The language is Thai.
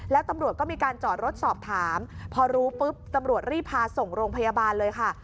แล้วตำรวจก็มีการจอดรถสอบถามพอรู้ปุ๊บตำรวจรีบพาส่งโรงพยาบาลเลยค่ะ